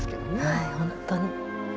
はいほんとに。